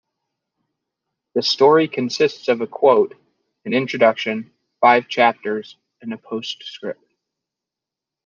The story consists of a quote, an introduction, five chapters, and a postscript.